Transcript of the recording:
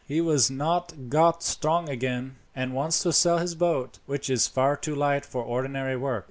He has not got strong again, and wants to sell his boat, which is far too light for ordinary work.